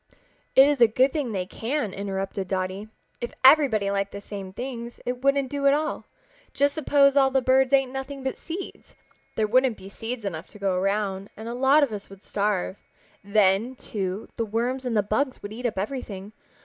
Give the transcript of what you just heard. "It is a good thing they can," interrupted Dotty. "If everybody liked the same things it wouldn't do at all. Just suppose all the birds ate nothing but seeds. There wouldn't be seeds enough to go around, and a lot of us would starve. Then, too, the worms and the bugs would eat up everything.